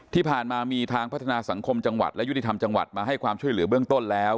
ที่ผ่านมามีทางพัฒนาสังคมจังหวัดและยุติธรรมจังหวัดมาให้ความช่วยเหลือเบื้องต้นแล้ว